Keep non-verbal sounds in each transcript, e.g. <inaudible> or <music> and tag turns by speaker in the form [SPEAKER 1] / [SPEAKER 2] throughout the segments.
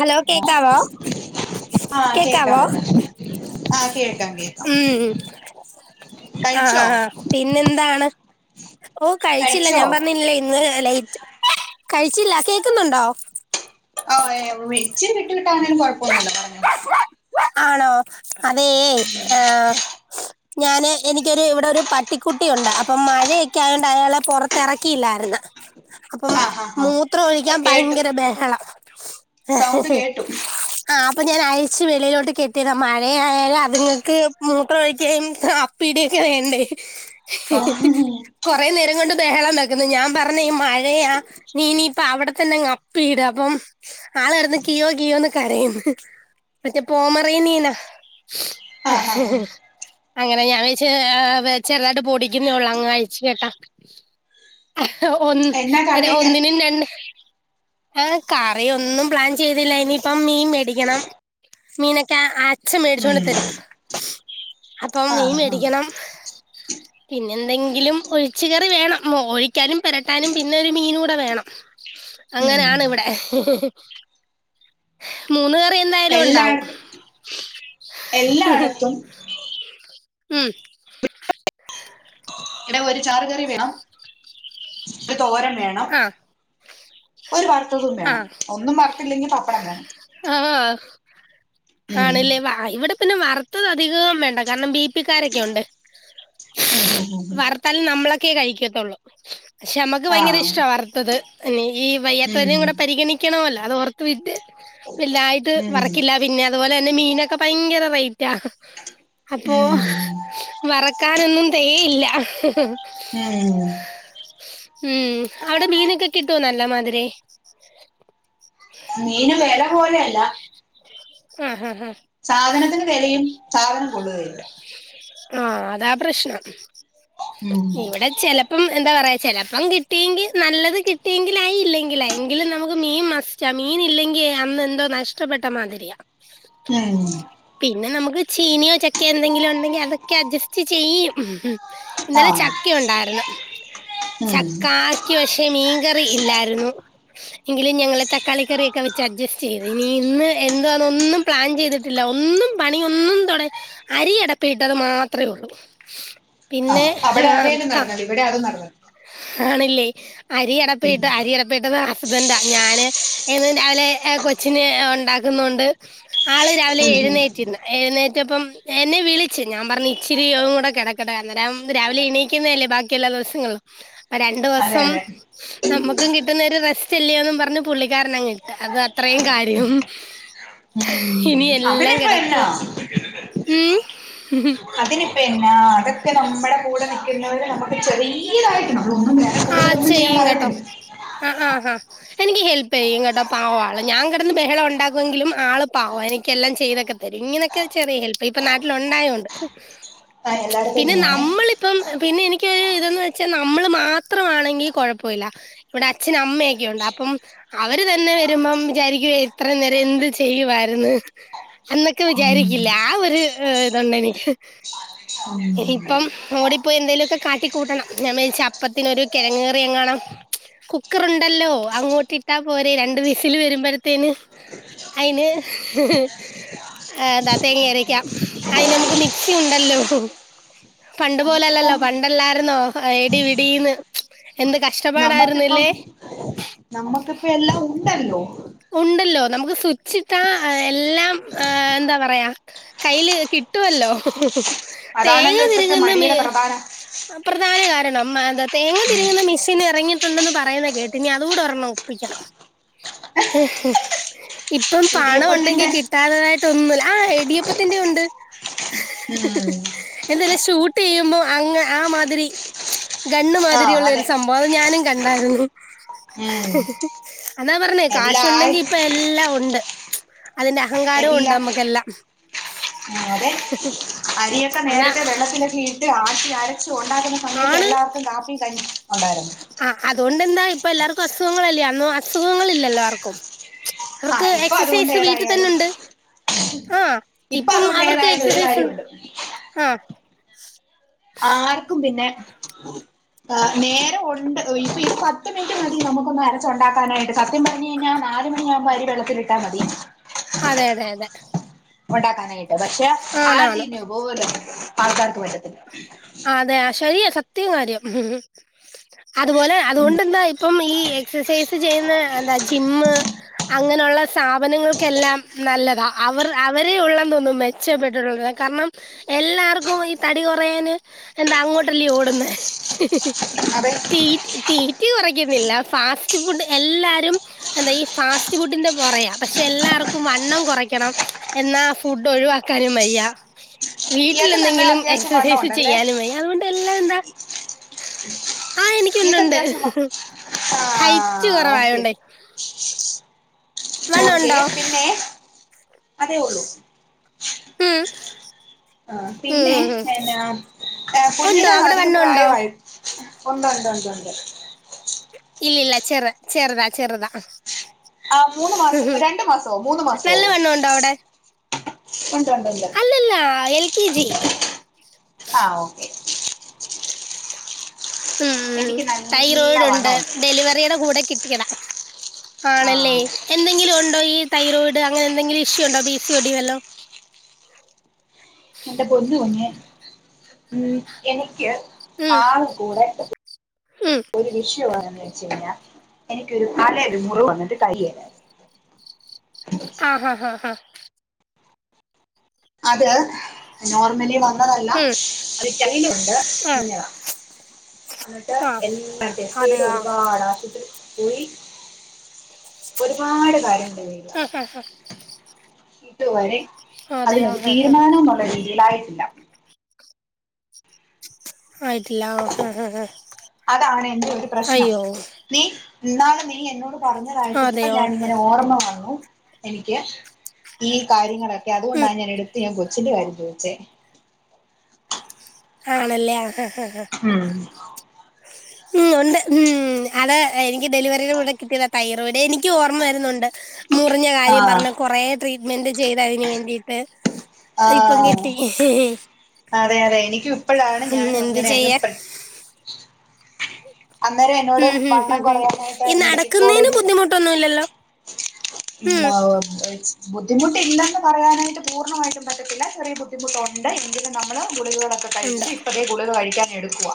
[SPEAKER 1] Hello കേക്കാവോ കേക്കാവോ
[SPEAKER 2] ആ് കേൾക്കാം കേൾക്കാം
[SPEAKER 1] ആ ആ ആ പിന്നെന്താണ് ഓ കഴിച്ചില്ല
[SPEAKER 2] കഴിച്ചോ
[SPEAKER 1] ഞാൻ പറഞ്ഞില്ലില്ലേ ഇന്ന് ലേറ്റ് കഴിച്ചില്ല കേക്കുന്നുണ്ടോ
[SPEAKER 2] ഓഹ്ച്ചി കട്ടി കാ ആണാലും കുഴപ്പൊന്നല്ലോ പറഞ്ഞ <unintelligible>
[SPEAKER 1] ആണോ അതെ ഏഹ ഞാന് എനിക്കൊരു ഇവിടെ ഒരു പട്ടിക്കുട്ടിയുണ്ട് അപ്പൊ മഴയൊക്കെ ആയോണ്ട് അയാളെ പുറത്തിറക്കിയില്ലായിരുന്നു അപ്പം
[SPEAKER 2] ആഹ് ആഹ് ആഹ്
[SPEAKER 1] മൂത്രം ഒഴിക്കാൻ
[SPEAKER 2] കേട്ടു
[SPEAKER 1] ഭയങ്കര ബഹളം
[SPEAKER 2] സൗണ്ട് കേട്ടു
[SPEAKER 1] ആഹ് അപ്പ ഞാൻ അയ്ച്ച് വെളിലൊ കെട്ടിയത മഴയായാലും അതുങ്ങക്ക് മൂത്രം ഒഴിക്കുകയും അപ്പി ഇടിയൊക്കെ വേണ്ടേ
[SPEAKER 2] ആഹ്
[SPEAKER 1] <unintelligible> കൊറെനേരം കൊണ്ട് ബെഹളം വെക്കുന്നു ഞാൻ പറഞ്ഞ് മഴയാ നീനിപ്പ അവടെ തന്നങ്ങ് അപ്പിയിട് അപ്പം ആള് കെടന്ന് കിയോ കിയോന്ന് കരയുന്ന് പോമറീനീയനാ
[SPEAKER 2] ആഹ് ആഹ്
[SPEAKER 1] <unintelligible> അങ്ങനെ ഞാൻ വെച്ച് ചെറുതായിട്ട് പൊടിക്കുന്നേള്ളാം അങ്ങഴിച്ചു കെട്ടാ <unintelligible>
[SPEAKER 2] എന്നാ
[SPEAKER 1] ഒന്ന്
[SPEAKER 2] കറിയൊക്കെ
[SPEAKER 1] ഒന്നിനും രണ്ട് ആഹ് കറി ഒന്നും പ്ലാൻ ചെയ്തില്ല ഇനിയിപ്പം മീൻ മേടിക്കണം മീനൊക്കെ അച്ഛൻ മേടിച്ചോണ്ട്
[SPEAKER 2] ഉം
[SPEAKER 1] തരും അപ്പൊ മീൻ
[SPEAKER 2] ആഹ് ആഹ്
[SPEAKER 1] മേടിക്കണം <inaudible> പിന്നെന്തെങ്കിലും ഒഴിച്ച്കറി വേണം ഒഴിക്കാനും പെരട്ടാനും പിന്നെ ഒരു മീനുടെ വേണം
[SPEAKER 2] ഉം
[SPEAKER 1] അങ്ങനാണ് <unintelligible> ഇവ്ടെ മൂന്ന്കറി എന്തായ യാലുംണ്ടാവും
[SPEAKER 2] എല്ലായിടത്തും
[SPEAKER 1] <unintelligible>
[SPEAKER 2] എല്ലായിടത്തും
[SPEAKER 1] ഉം
[SPEAKER 2] ഇവിടെ ഒരു ചാറ്കറി വേണം ഒരു തോരൻവേണം
[SPEAKER 1] ആ
[SPEAKER 2] ഒരു വറുത്തതും
[SPEAKER 1] ആ
[SPEAKER 2] വേണം ഒന്നും വറുത്തില്ലെങ്കി പപ്പടം വേണം
[SPEAKER 1] ആഹ് അഹ്
[SPEAKER 2] ഉം
[SPEAKER 1] ആണ്ല്ലേ ഇവിടെ പിന്നെ വറുത്തതധികം വേണ്ട കാരണം ബി പ്പിക്കാരൊക്കെ ഉണ്ട്
[SPEAKER 2] ഉം ഉം ഉം ഉം
[SPEAKER 1] വർത്താലും നമ്മളൊക്കെ കഴിക്കത്തുള്ളൂ പക്ഷെ നമ്മക്ക് ഭയങ്കര
[SPEAKER 2] ആഹ്
[SPEAKER 1] ഇഷ്ട്ടവ വറുത്തത് എനിക്കീ ഭയ വെരെം
[SPEAKER 2] ഉം
[SPEAKER 1] കൂടെ പരിഗണിക്കണവല്ലോ അതോർത്ത് പിന്നെ വല്ലായിട്ട് വറ്ക്കില്ല
[SPEAKER 2] ഉം
[SPEAKER 1] പിന്നെ അതുപോലെന്നെ മീനൊക്കെ ഭയങ്കര റേറ്റ അപ്പോ
[SPEAKER 2] ഉം
[SPEAKER 1] വറക്കാനൊന്നും തെകയില്ല <unintelligible>
[SPEAKER 2] ഉം
[SPEAKER 1] ഉം അവിടെ മീനെക്കെകിട്ടോ നല്ല മാതിരി
[SPEAKER 2] മീന് വെല പോലെയല്ല
[SPEAKER 1] ആഹ് അഹ് ആഹ്
[SPEAKER 2] സാധനത്തിന് വെലയും സാധനം കൊള്ളുകയില്ല
[SPEAKER 1] ആഹ് അതാ പ്രശ്നം
[SPEAKER 2] ഉം
[SPEAKER 1] ഇവിടെ ചെലപ്പം എന്താ പറയാ ചെലപ്പം കിട്ടിയെങ്കി നല്ലത് കിട്ടിയെങ്കിലായി ഇല്ലെങ്കിലായ് എങ്കിലും നമുക്ക് മീൻ മസ് സ്റ്റാ മീനില്ലെങ്കി അന്ന് എന്തോ നഷ്ടപ്പെട്ട മാതിരിയാ
[SPEAKER 2] ഉം
[SPEAKER 1] പിന്നെ നമുക്ക് ചീനിയോ ചക്കയോ എന്തെങ്കിലും ഉണ്ടെങ്കി അതൊക്കെ അഡ്ജസ്റ്റ് ചെയ്യും ഇന്നലെ
[SPEAKER 2] ആഹ്
[SPEAKER 1] ചക്ക ഒണ്ടായ്രുന്നു
[SPEAKER 2] ഉം
[SPEAKER 1] ചക്കാ ക്ക് പക്ഷെ മീൻകറി ഇല്ലായിരുന്നു എങ്കിലും ഞങ്ങള് തക്കാളി കറിയൊക്കെവെച്ച് അഡ്ജസ്റ്റ് ചെയ്ത് ഇനി ഇന്ന് എന്ത്വാന്നൊന്നും പ്ലാൻ ചെയ്തിട്ടില്ല ഒന്നും പണിയൊന്നും തൊട അരിയടപ്പീട്ടത് മാത്ര ഉള്ളൂ പിന്നെ
[SPEAKER 2] ആഹ് അവിടെ
[SPEAKER 1] ആഹ്
[SPEAKER 2] അതേലും
[SPEAKER 1] കാ
[SPEAKER 2] നടന്നത് ഇവിടെ അതും നടന്നത്
[SPEAKER 1] ആണില്ലേ അരി അടെപ്പേട്ട് അരി അടെപ്പീട്ടത് ഹസ്ബന്റാ ഞാന് എന്നും രാവിലെ കൊച്ചിന് ഒണ്ടാക്കുന്നൊണ്ട് ആള് രാവിലെ
[SPEAKER 2] ഉം ഉം
[SPEAKER 1] എഴുന്നേറ്റിന്ന് എഴുന്നേറ്റപ്പം എന്നെ വിളിച്ച് ഞാം പറഞ്ഞ് ഇച്ചിരിയും കൂടെ കെടക്കട്ടെ ആനേരം രാവിലെ എണീക്കുന്നെല്ലേ ബാക്കിയെല്ലാ ദിവസങ്ങളും അപ്പ
[SPEAKER 2] അതെ
[SPEAKER 1] രണ്ടുദിവസം
[SPEAKER 2] അതെ
[SPEAKER 1] നമ്മുക്കും കിട്ടുന്ന ഒരു റെസ്റ്റ് ഇല്ലെയോ പർഞ്ഞ് പുള്ളിക്കാരനങ്ങിട്ട് അത് അത്രയും കാര്യം
[SPEAKER 2] ഉം
[SPEAKER 1] ഇനിയെല്ലാം
[SPEAKER 2] അതിനിപ്പ എന്നാ
[SPEAKER 1] കെടക്കുവാ ഉം <unintelligible>
[SPEAKER 2] പിന്നെ അതൊക്കെ നമ്മുടെ കൂടെ നിൽക്കുന്നവര് നമുക്ക് ചെറിയ യതായിട്ട് നമ്മളൊന്നും വേറെകൂടുതലൊന്നും ചെയ്യാൻ പറയത്തില്ല
[SPEAKER 1] അഹ് ആഹ് അഹ് എനിക്ക് ഹെൽപ്പെയ്യും കേട്ടോ പാവാള് ഞാൻ കെടന്ന് ബെഹളംണ്ടാകുവെങ്കിലും ആള് പാവ എനിക്കെല്ലാം ചെയ്തെക്കെ ത തരും ഇങ്ങനൊക്കെ ചെറിയ ഹെല്പ്യ്യും ഇപ്പൊ നാട്ടിൽ ഉണ്ടായോണ്ട്
[SPEAKER 2] ആഹ് എല്ലായിടത്തും
[SPEAKER 1] പിന്നെ
[SPEAKER 2] അങ്ങനെയാണേ
[SPEAKER 1] നമ്മളിപ്പം പിന്നെ എനിക്കൊരു ഇതന്ന് വെച്ചാ നമ്മള് മാ മാത്രമാണെങ്കി കുഴപ്പല്യ ഇവിടെ അച്ഛന അമ്മയൊക്കെണ്ട് അപ്പം അവര് തന്നെ വരുമ്പം വിചാരിക്ക്യും എത്ര നേരം എന്ത് ചെയ്യുവായിരുന്ന് എന്നൊക്കെ
[SPEAKER 2] ഉം
[SPEAKER 1] വിചാരിക്കില്ലേ ആഹ് ഒരു ഇതുണ്ടെനിക്ക്
[SPEAKER 2] ഉം
[SPEAKER 1] ഇപ്പം ഓടിപ്പോയി എന്തേലുമൊക്കെ കാട്ടി കൂട്ടണം. ഞാൻ വിചാരിച്ചു അപ്പ ത്തിനൊരു കിഴങ് കറിയെങ്ങാണം കുക്കറ്ണ്ടല്ലോ അങ്ങോട്ടിട്ടാ പോരെ രണ്ട് വിസില് വരുമ്പോഴത്തേന് അയിന് എന്താ തേങ്ങ അരക്ക അതിന് നമുക്ക് മിക്സി ഉണ്ടല്ലോ പണ്ട് പോലല്ലല്ലോ
[SPEAKER 2] നമുക്കിപ്പം
[SPEAKER 1] പണ്ടല്ലായിരുന്നോ എടിപിടിന്ന് എന്ത് കഷ് ഷ്ടപാടായിരുന്നല്ലേ
[SPEAKER 2] നമ്മക്കിപ്പം നമ്മക്കിപ്പ എല്ലാം ഉണ്ടല്ലോ
[SPEAKER 1] ഉണ്ടല്ലോ നമുക്ക് സുച്ചിട്ടാ എല്ലാം എന്താ പറയാ കയ്യില് കിട്ടുമല്ലോ തേങ്ങ
[SPEAKER 2] അതാണല്ലോ ഇപ്പത്തെ
[SPEAKER 1] തിരങ്ങുന്ന മി
[SPEAKER 2] മടിയുടെ പ്രധാന
[SPEAKER 1] പ്രധാന കാരണം ന്താ തേങ്ങ തിരിങ്ങുന്ന മെഷിൻ ഇറങ്ങിട്ട ണ്ടന്ന് പറയുന്ന കേട്ടിനി അതുകൂടെ ഒരെണ്ണം ഒപ്പിക്കണം ഇപ്പം പണം
[SPEAKER 2] ഇടിയപ്പത്തിന്റെ
[SPEAKER 1] ഉണ്ടെങ്കിൽ കിട്ടാത്തതായിട്ട് ട്ടൊന്നുല്ല ആഹ് ഇടിയപ്പത്തിന്റെ ഉണ്ട്
[SPEAKER 2] ഉം <unintelligible>
[SPEAKER 1] എന്തല്ല ഷൂട്ട് ചെയ്യുമ്പോ അങ്ങ് ആ മാതിരി ഗണ്ണ് മാതിരി
[SPEAKER 2] ആഹ്
[SPEAKER 1] ഉള്ള ഒരു
[SPEAKER 2] അതെ
[SPEAKER 1] സംഭവം ഞാനും കണ്ടാരുന്നു.
[SPEAKER 2] ഉം
[SPEAKER 1] അതാ പറഞ്ഞെ ക്യാഷ്
[SPEAKER 2] എല്ലായി
[SPEAKER 1] ഉണ്ടെങ്കിൽ ഇപ്പോ എ ല്ലാ ഉണ്ട്. അതിന്റെ അഹങ്കാരവും ഉണ്ട് നമുക്കെല്ലാം
[SPEAKER 2] ആ അതെ അരിയൊക്കെ
[SPEAKER 1] അതാ
[SPEAKER 2] നേരത്തെ വെള്ളത്തിലൊക്കെ ഇ ട്ട് ആട്ടി അരച്ചു ഉണ്ടാക്കുന്ന സമയത്ത് എല്ലാവർക്കും കാപ്പിയും ക ഉണ്ടായിരുന്നു.
[SPEAKER 1] ആഹ് അതുകൊണ്ട് എന്താ ഇപ്പൊ എല്ലാവർക്കും അസുഖങ്ങളല്ലേ അന്നും അസുഖങ്ങളില്ലല്ലോ എല്ലാവർക്കും അവർക്ക്
[SPEAKER 2] ആഹ് ഇപ്പൊ അതുകൊണ്ട്
[SPEAKER 1] എക്സസൈസ് വീട്ടിൽ തന്നെ
[SPEAKER 2] ഏതായാലും
[SPEAKER 1] ഉണ്ട് ആഹ്
[SPEAKER 2] ഇപ്പൊ
[SPEAKER 1] ഇപ്പം
[SPEAKER 2] അതുകൊണ്ട്
[SPEAKER 1] അവർക്ക്
[SPEAKER 2] ഏതായാലും ഒരു
[SPEAKER 1] എക്സസൈസ് ഉണ്ട്
[SPEAKER 2] കാര്യമുണ്ട്
[SPEAKER 1] ആഹ്
[SPEAKER 2] ആർക്കും പിന്നെ ആ് നേരെ ഉണ്ട് ഇപ്പൊ ഒരു പത്ത് മിനിറ്റ് മതി നമുക്കൊന്ന് അരച്ച ഉണ്ടാക്കാനായിട്ട് സത്യം പറഞ്ഞു കഴിഞ്ഞ നാല് മണി ആകുമ്പൾ അരി വെള്ളത്തിലിട്ടാ മതി
[SPEAKER 1] അതെ അതെ അതെ
[SPEAKER 2] ഉണ്ടാക്കാനായിട്ട്. പക്ഷെ
[SPEAKER 1] ആണാണ്
[SPEAKER 2] ആദ്യന്നെ ഇപ്പലും ആൾക്കാർക്ക് പറ്റത്തില്ല.
[SPEAKER 1] ആഹ് അതെ ശെരിയ സത്യം കാര്യം ഉം അതുപോലെ
[SPEAKER 2] ഉം
[SPEAKER 1] അതുകൊണ്ട് എന്തായി ഇപ്പം ഈ എക്സസൈസ് ചെയ്യുന്ന എന്താ ജിമ്മ അങ്ങനെള്ള സ്ഥാപനങ്ങൾക്കെല്ലാം നല്ലതാ അവർ അവരെ ഉള്ളെന്ന് തോനുന്നു മേ മെച്ചപ്പെട്ടിട്ടുള്ളത്. കാരണം എല്ലാവർക്കും ഈ തടി കുറയാന് എന്താ അങ്ങോട്ടല്ലേ ഓടുന്നേ
[SPEAKER 2] അതെ
[SPEAKER 1] തീ തീറ്റി കുറയ്ക്കുന്നില്ല. ഫാസ്റ്റ് ഫുഡ് എല്ലാരും എന്താ ഈ ഫാസ്റ്റ് ഫുഡിന്റെ പുറകെയാ പക്ഷെ എല്ലാവർക്കും വണ്ണം കുറയ്ക്കണം. എന്നാ ഫുഡ് ഒഴിവാക്ക നും വയ്യ വീട്ടിൽ
[SPEAKER 2] ഇയാൾക്ക് നല്ല
[SPEAKER 1] എന്തെങ്കിലും
[SPEAKER 2] അത്യാവശ്യം വണ്ണം
[SPEAKER 1] എക്സസൈസ്
[SPEAKER 2] ഉണ്ടല്ലേ
[SPEAKER 1] ചെയ്യാനും വയ്യ. അതുകൊണ്ട് എല്ലാം എന്താ ആഹ് എനിക്ക
[SPEAKER 2] ഇയാൾക്ക്
[SPEAKER 1] ഇണ്ടണ്ട്
[SPEAKER 2] അത്യാവശ്യം വ ആ
[SPEAKER 1] ഹൈറ്റ്
[SPEAKER 2] ഓക്കെ
[SPEAKER 1] കൊറവായോണ്ടേ
[SPEAKER 2] ഓക്കെ പിന്നെ അതേ ഉള്ളൂ.
[SPEAKER 1] ഉം
[SPEAKER 2] ആ
[SPEAKER 1] ഉം
[SPEAKER 2] പിന്നെ
[SPEAKER 1] ഉം. ഉണ്ടോ
[SPEAKER 2] കുഞ്ഞിന്
[SPEAKER 1] അവിടെ
[SPEAKER 2] അധികം
[SPEAKER 1] വണ്ണമുണ്ടോ?
[SPEAKER 2] പ്രായമായൊ ഉണ്ട് ഉണ്ട് ഉണ്ട് ഉണ്ട്
[SPEAKER 1] ഇല്ല ല്ല ചെറ ചെറുതാ ചെറുതാ
[SPEAKER 2] ആഹ് മൂന്ന് മാസം രണ്ട് മാസമോ മൂന്ന് മാസമോ
[SPEAKER 1] നല്ല വണ്ണമുണ്ടോ അവിടെ? അല്ലല്ല എൽ കെ ജി.
[SPEAKER 2] ആഹ് ഓക്കെ
[SPEAKER 1] ഉം
[SPEAKER 2] എനിക്ക് നല്ല
[SPEAKER 1] തൈറോയ്ഡ് ഉണ്ട്.
[SPEAKER 2] വണ്ണമുണ്ട്
[SPEAKER 1] ഡെലിവറിയുടെ കൂടെ കിട്ടിയത
[SPEAKER 2] ആ
[SPEAKER 1] ആണല്ലേ എന്തെങ്കിലും ഉണ്ടോ ഈ തൈറോയ്ഡ് അങ്ങനെ എന്തെങ്കിലും ഇഷ്യൂ ഉണ്ടോ പിസി ഒടി വല്ലോം
[SPEAKER 2] എന്റെ പൊന്നുകുഞ്ഞെ ഉം എനിക്ക്
[SPEAKER 1] ഉം
[SPEAKER 2] ആക ക്കൂടെ
[SPEAKER 1] ഉം
[SPEAKER 2] ഒരു വിഷയണെന്ന് വെച്ച കഴിഞ്ഞാൽ എനിക്കൊരു കാലേ ഒരു മുറി വന്നിട്ട് കരിയേല
[SPEAKER 1] ആഹ് ആഹ് ആഹ് ആഹ്
[SPEAKER 2] അത് നോർമലി വന്ന് ന്നതല്ല
[SPEAKER 1] ഉം
[SPEAKER 2] അതിറ്റലിലുണ്ട്
[SPEAKER 1] ആ
[SPEAKER 2] കുഞ്ഞതാ എന്നിട്ട്
[SPEAKER 1] ആ
[SPEAKER 2] എല്ലാം ടെസ്റ്റ് ചെയ്ത്
[SPEAKER 1] അതെയോ ആ
[SPEAKER 2] ഒരുപാട്ആശുപത്രി പോ പോയി ഒരുപാട് കാര്യം ണ്ടയില്
[SPEAKER 1] ആഹ് ആഹ്
[SPEAKER 2] ഇതുവരെ
[SPEAKER 1] ആ
[SPEAKER 2] അതിനൊരു
[SPEAKER 1] ഹാ ഹാ
[SPEAKER 2] തീരുമാനുള്ള രീതിയിലായിട്ടില്ല
[SPEAKER 1] ആയിട്ടില്ല ആഹ് ആഹ് ആഹ്
[SPEAKER 2] അതാണ് എന്റെ ഒരു പ്രശ്നം
[SPEAKER 1] അയ്യോ
[SPEAKER 2] നീ ഇന്നാള് നീ എന്നോട് പറഞ്ഞതായിട്ട് ഇപ്പ
[SPEAKER 1] അതെയോ ആ,
[SPEAKER 2] ഞാാനിങ്ങനെ ഓർമ്മ വന്നു എനിക്ക് ഈ കാര്യങ്ങളൊക്കെ
[SPEAKER 1] ഉം
[SPEAKER 2] അതുകൊണ്ടാ ഞാൻ എടുത്ത് ഞാൻ കൊച്ചിൻ്റെ കാര്യം ചോയ്ച്ചേ
[SPEAKER 1] ആണല്ലേ ആഹ് ആഹ് ആഹ്
[SPEAKER 2] ഉം
[SPEAKER 1] ഉം ഉണ്ട് ഹും അത് എനിക്ക് ഡെലിവറി കൂടെ കിട്ടിയതാ തൈറോയിഡ് എനിക്കും ഓർമ്മ വരുന്നുണ്ട് മുറിഞ്ഞ കാര്യം
[SPEAKER 2] ആഹ്
[SPEAKER 1] പറഞ്ഞ് കൊറേ ട്രീറ്റ്മെന്റ് ചെയ്തതിന് വേണ്ടിട്ട്
[SPEAKER 2] ആഹ് അതെ അതെ എനിക്കും ഇപ്പോഴാണ്
[SPEAKER 1] ഉം
[SPEAKER 2] ഞാനും
[SPEAKER 1] എന്ത്
[SPEAKER 2] അങ്ങനെ അങ്
[SPEAKER 1] ചെയ്യാൻ
[SPEAKER 2] പെട്ട് അന്നേരം എന്നോട്
[SPEAKER 1] ഉം ഉം
[SPEAKER 2] വണ്ണം
[SPEAKER 1] ഉം ഉം
[SPEAKER 2] കുറയാനായിട്ട്
[SPEAKER 1] ഈ
[SPEAKER 2] മെഡിക്കൽ
[SPEAKER 1] നടക്കുന്നതിന്
[SPEAKER 2] കോളേജ്
[SPEAKER 1] ബുദ്ധിമുട്ടൊന്നുല്ലല്ലോ
[SPEAKER 2] മാ വ ബുദ്ധിമുട്ടി ഇല്ലെന്ന് പറയാനായിട്ട് പൂർണ്ണമായിട്ടും പറ്റത്തില്ല ചെറിയ ബുദ്ധിമുട്ട് - ബുദ്ധിമുട്ടുണ്ട് എങ്കിലും നമ്മള് ഗുളികളൊക്കെ
[SPEAKER 1] ഉണ്ട്
[SPEAKER 2] കഴിച്ച് ഇപ്പ ദേ ഗുളിക കഴിക്കാൻ എടുക്കുവ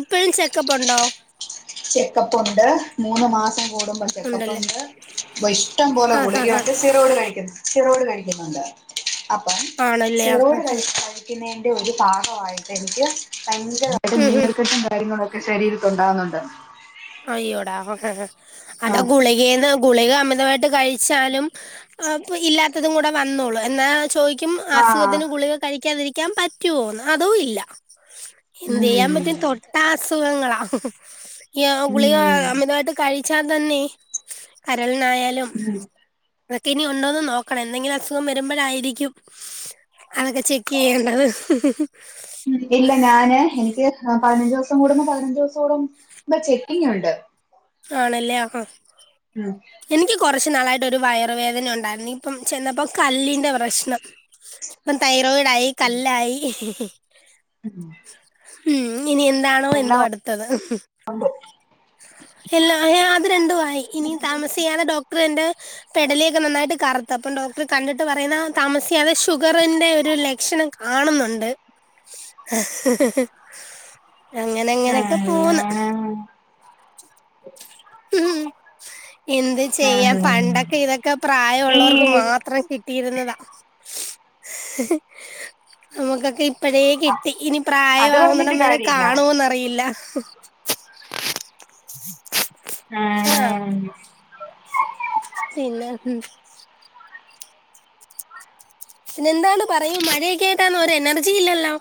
[SPEAKER 1] ഇപ്പോഴും ചെക്കപ്പ്ണ്ടോ
[SPEAKER 2] ചെക്കപ്പ് ഉണ്ട് മൂന്ന് മാസം കൂടുമ്പോ
[SPEAKER 1] ഉണ്ടല്ലേ
[SPEAKER 2] ചെക്കപ്പുണ്ട് വ ഇഷ്ടം പോലെ
[SPEAKER 1] ആഹ് ആഹ്
[SPEAKER 2] ഗുളികയുണ്ട്
[SPEAKER 1] ആഹ്
[SPEAKER 2] സിറോയിഡ് കഴിക്കുന്നു സിറോയിഡ് കഴിക്കുന്നുണ്ട് അപ്പം
[SPEAKER 1] ആണല്ലേ ആഹ്
[SPEAKER 2] സിറോയിഡ്
[SPEAKER 1] ആഹ് ആഹ്
[SPEAKER 2] കഴിച്ചാല് ഒരു എൻ്റെ ഭാഗമായിട്ട് എനിക്ക് ഭയങ്കരമായിട്ട്
[SPEAKER 1] ഉം ഉം
[SPEAKER 2] നീർക്കെട്ടും ക കാര്യങ്ങളൊക്കെ ശരീരത്തുണ്ടാവുന്നുണ്ട്
[SPEAKER 1] അയ്യോടാ അതാ
[SPEAKER 2] ആഹ്
[SPEAKER 1] ഗുളികേന്ന് ഗുളിക അമിതമായിട്ട് കഴിച്ച് ച്ചാലും ഇല്ലാത്തതും കൂടെ വന്നോളും എന്നാ ചോദിക്കും
[SPEAKER 2] ആഹ്
[SPEAKER 1] അസുഖത്തിന് ഗുളിക കഴിക്കാതിരിക്കാൻ പറ്റോ അതും ഇല്ല എന്ത് ചെയ്യൻ
[SPEAKER 2] ഉം
[SPEAKER 1] പറ്റും തൊട്ടാ തൊട്ടാ അസുഖങ്ങളാ നിയാ ഗുളിക
[SPEAKER 2] ഉം
[SPEAKER 1] അമിതമായിട്ട് കഴിച്ചാൽ തന്നെ കരളിനായാലും
[SPEAKER 2] ഉം
[SPEAKER 1] അതക്കെ ഇനി ഉണ്ടോന്ന് നോക്കണം എന്തെങ്കിലും അസുഖം വരുമ്പോഴായിരിക്കും അതൊക്കെ ചെക്കയ്യേണ്ടത്
[SPEAKER 2] ഇല്ല ഞാന് എനിക്ക് പതിനഞ്ചുവസം കൂടുമ്പോ പതിനഞ്ചുസം കൂടുമ്പോ ചെക്കിങ്ങുണ്ട്
[SPEAKER 1] ആണല്ലേ അപ്പൊ
[SPEAKER 2] ഉം
[SPEAKER 1] എനിക്ക് കുറച്ച് നാളായിട്ട് ഒരു വയറുവേദന ഉണ്ടായിരുന്നു ഇപ്പം ചെന്നപ്പോ കല്ലിന്റെ പ്രശ്നം ഇപ്പം തൈറോയിഡായി കല്ലായി
[SPEAKER 2] ഉം
[SPEAKER 1] ഉം ഇനി എന്താണോ എന്തോ അടുത്തത്
[SPEAKER 2] അങ്കോ
[SPEAKER 1] എല്ലാ ആഹ് അത് രണ്ടും ആയി ഇനി താമസിയാതെ ഡോക്ടറെന്റെ പെടലിയൊക്കെ നന്നായിട്ട് കറുത്ത് അപ്പൊ ഡോക്ടർ കണ്ടിട്ട് പറയുന്ന താമസിയാതെ ഷുഗറിന്റെ ഒരു ലക്ഷണം കാണുന്നുണ്ട് അങ്ങന അങ്ങനെയൊക്കെ പോന്ന് എന്ത് ചെയ്യാൻ
[SPEAKER 2] ഉം ഉം
[SPEAKER 1] പണ്ടൊക്കെ ഇതൊക്കെ പ്രായം ഉള്ളോർക്ക്
[SPEAKER 2] ഈ
[SPEAKER 1] മാത്രം കിട്ട് ട്ടിയിരുന്നതാ നമുക്കൊക്കെ പ്പഴേ കിട്ടി ഇനി
[SPEAKER 2] അത് പറഞ്ഞ
[SPEAKER 1] പ്രായമാവൂന്നടം വരെ കാണോന്നറിയില്ല ആ പിന്നെ ഹും പിന്നെ എന്താണ് പറയും മഴയൊക്കെ ആയിട്ടാന്നൊ ഒരു എനർജി ഇല്ലല്ലോ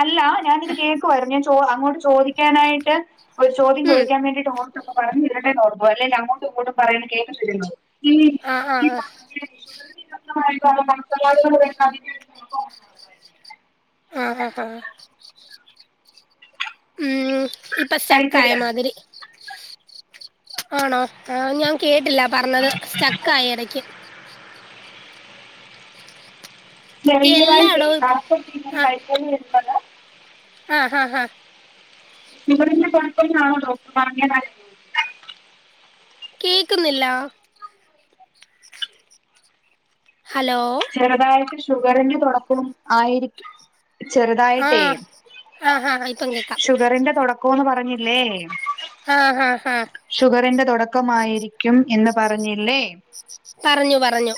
[SPEAKER 2] അല്ല ഞാനിത് കേക്കുവായിരുന്നു ഞാൻ ചോ അങ്ങോട്ട് ചോദിക്കാനായിട്ട് ഒരു ചോദ്യം
[SPEAKER 1] ഉം
[SPEAKER 2] ചോദിക്കാൻ വേണ്ടിട്ട്ഓ തപ്പൊ പറഞിരട്ടേർന്നു ഓടുമ്പൊ അല്ലെങ്കി അങ്ങോട്ടും ഇങ്ങോട്ടും പറയാ കേക്കത്തില്ലേന്നൊ
[SPEAKER 1] ആ ആ ആ
[SPEAKER 2] <unintelligible>
[SPEAKER 1] ആ ഹാ ഹാ ഇപ്പൊ
[SPEAKER 2] കഴിക്കയില്
[SPEAKER 1] സ്റ്റക്കായമാതിരി ആണോ? ആ ഞാൻ കേട്ടില്ല പറഞ്ഞത് സ്റ്റക്കായി എടക്ക്. ഈ
[SPEAKER 2] ചെറിയവായിട്ടേ
[SPEAKER 1] എല്ലായിടവും ഇപ്പ
[SPEAKER 2] ആപ്പു മീൻ കറി
[SPEAKER 1] ആ
[SPEAKER 2] കഴിക്കാൻ വരുന്നതാ
[SPEAKER 1] ആ ഹാ ഹാ
[SPEAKER 2] ഇവിടെന്നെ <unintelligible>
[SPEAKER 1] കേക്കുന്നില്ല ഹലോ
[SPEAKER 2] ചെറുതായിട്ട് ഷുഗറിന്റെ തുടക്കം ആയിരിക്കും
[SPEAKER 1] ആ
[SPEAKER 2] ചെറുതായിട്ടേ
[SPEAKER 1] ആ ഹാ ഇപ്പം കേക്കാം
[SPEAKER 2] ഷുഗറിന്റെ തൊട ക്കോന്ന് പറഞ്ഞില്ലേ?
[SPEAKER 1] ആ ഹാ ഹാ
[SPEAKER 2] ഷുഗറിന്റെ തൊടക്കമായിരിക്കും എന്ന് പറഞ്ഞില്ലേ?
[SPEAKER 1] പറഞ്ഞു പറഞ്ഞു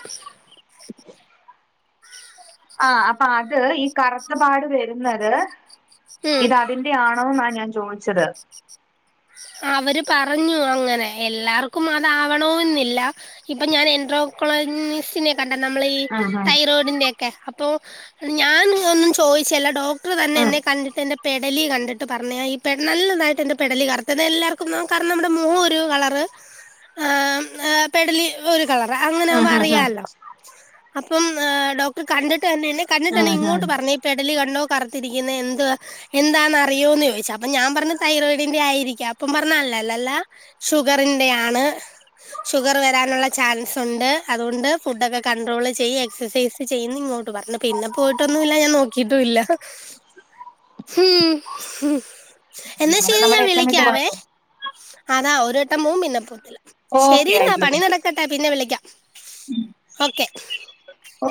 [SPEAKER 2] ആ അപ്പൊ അത് ഈ കറുത്തപാട് വരുന്നത്
[SPEAKER 1] ഉം
[SPEAKER 2] ഇത് അതി ന്റെ ആണോന്നാ ഞാൻ ചോയിച്ചത്.
[SPEAKER 1] അവര് പറഞ്ഞു അങ്ങനെ എല്ലാർക്കും അതാവണോന്നില്ല. ഇപ്പൊ ഞാൻ എൻട്രോക്കോളിനിസിനെ കണ്ട നമ്മളീ
[SPEAKER 2] ആഹ്
[SPEAKER 1] തൈറോയിഡിന്റെ ഒക്കെ അപ്പൊ ഞാൻ ഒന്നും ചോദിച്ചല്ല ഡോ ക്ടറ് തന്നെ
[SPEAKER 2] ആഹ് ഉം
[SPEAKER 1] എന്നെ കണ്ടിട്ട് എന്റെ പെടലി കണ്ടിട്ട് പറഞ്ഞത ഈ പെ നല്ലതായിട്ട് എന്റെ പെടലി കറ് തതെല്ലാർക്കും നാം കാരണം നമ്മുടെ മൊഖം ഒരു കളറ് ആം ആ പെടലി ഒരു കളറ് അങ്ങനെ ആവ്മ്പൊ
[SPEAKER 2] ആഹ് ആഹ്
[SPEAKER 1] അറിയാലോ അപ്പം ഹ് ഡോക്ടർ കണ്ടിട്ട് ന്നെ എന്നെ
[SPEAKER 2] ആഹ് ആഹ് ആഹ്
[SPEAKER 1] കണ്ടിട്ടെന്നെഇങ്ങോട്ട് പറഞ്ഞെ പെടലി കണ്ടോ കറുത്തിരിക്കുന്നേ എന്ത് എന്താന്നറിയോ എന്ന് ചോദിച്ചാ അപ്പൊ ഞാൻ പറഞ്ഞ തൈറോയിഡിന്റെറെ ആയിരി ക്കാപ്പം പറഞ്ഞ് അല്ലല്ലാ ഷുഗറിന്റെയാണ്. ഷുഗർ വരാനുള്ള ചാൻസ് ഉണ്ട് അതുകൊണ്ട് ഫുഡൊക്കെ കണ്ട്രോൾ ചെയ്യ് എക്സസൈസ് ചെയ്യുന്നിങ്ങോട്ട് പറഞ്ഞു പിന്നെ പോയിട്ടൊന്നുല്ല ഞാൻ നോക്കിട്ടുല്ല. ഹും എന്നാ
[SPEAKER 2] അതാണ്
[SPEAKER 1] ശെരിഞാൻ
[SPEAKER 2] നമ്മുടെ
[SPEAKER 1] വിളി
[SPEAKER 2] ഏറ്റവും വലിയ കുഴപ്പം
[SPEAKER 1] അതാ ഒരു വട്ടം മൂ പിന്നെ ശരി
[SPEAKER 2] ഓക്കെ
[SPEAKER 1] ന്നാ
[SPEAKER 2] ആയിക്കോട്ടെ
[SPEAKER 1] പണി നടക് ക്കട്ടെ പിന്നെ വിളിക്കാം ഓക്കെ
[SPEAKER 2] അ